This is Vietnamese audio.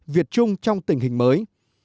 việc chung trong tình hình mới